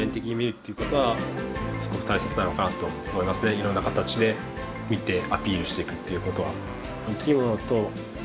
いろんな形で見てアピールしていくっていうことは。